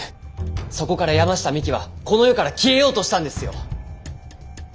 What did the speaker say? そこから山下未希はこの世から消えようとしたんですよ。